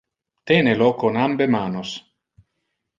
Tene lo con ambe manos.